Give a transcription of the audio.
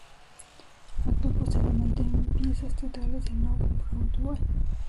Actuó posteriormente en piezas teatrales en Off Broadway.